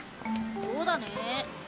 そうだね。